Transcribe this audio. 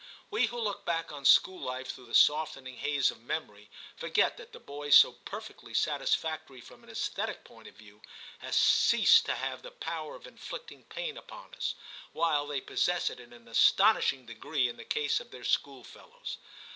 We who look back on school life through the softening haze of memory, forget that the boys so perfectly satisfactory from an aesthetic point of view have ceased to have the power of inflicting pain upon us, while they possess it in an astonishing degree in the case of their schoolfellows.